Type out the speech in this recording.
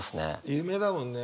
有名だもんね。